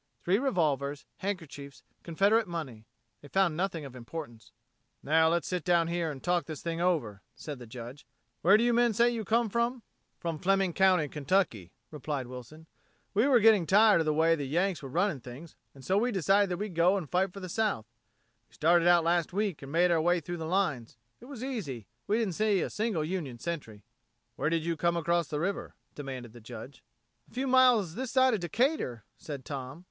Three revolvers, handkerchiefs, Confederate money.... They found nothing of importance. "Now let's sit down here and talk this thing over," said the Judge. "Where do you men say you come from!" "From Fleming County, Kentucky," replied Wilson. "We were getting tired of the way the Yanks were running things and so we decided that we'd go and fight for the South. We started out last week and made our way through the lines. It was easy. We didn't see a single Union sentry." "Where did you come across the river?" demanded the Judge. "A few miles this side of Decatur," said Tom.